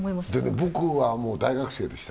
僕はもう大学生でした。